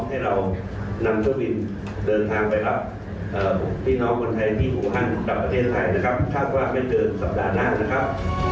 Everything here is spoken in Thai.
ถ้าว่าไม่เจอสัปดาห์หน้านะครับ